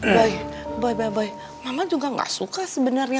boy boy boy mama juga nggak suka sebenarnya